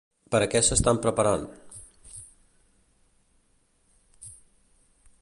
Per a què s'estan preparant?